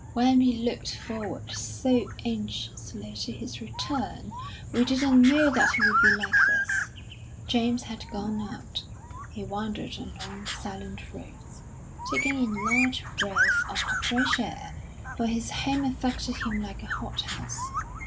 "When we looked forward so anxiously to his return, we didn't know that he would be like this." James had gone out. He wandered along the silent roads, taking in large breaths of the fresh air, for his home affected him like a hot house.